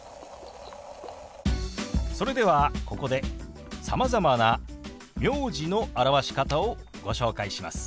それではここでさまざまな名字の表し方をご紹介します。